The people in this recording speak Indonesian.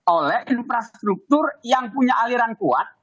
oleh infrastruktur yang punya aliran kuat